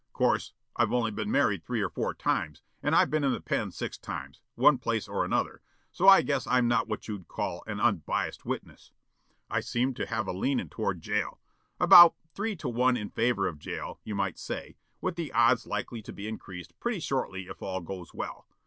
Course, I've only been married three or four times, and I've been in the pen six times, one place or another, so I guess I'm not what you'd call an unbiased witness. I seem to have a leanin' toward jail, about three to one in favor of jail, you might say, with the odds likely to be increased pretty shortly if all goes well.